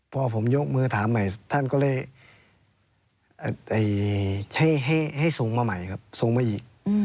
พอผมยกมือถามใหม่ท่านก็เลยให้ส่งมาใหม่ครับส่งมาอีก